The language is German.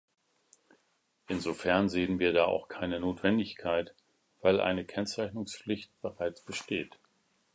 Insofern sehen wir da auch keine Notwendigkeit, weil eine Kennzeichnungspflicht bereits besteht.